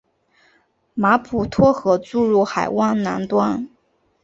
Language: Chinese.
马普托河注入海湾南端。